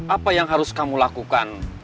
apa yang harus kamu lakukan